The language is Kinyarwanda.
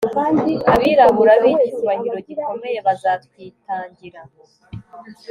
Abirabura bicyubahiro gikomeye bazatwitangira